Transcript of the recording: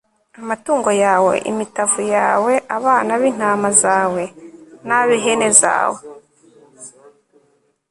amatungo yawe, imitavu yawe, abana b'intama zawe n'ab'ihene zawe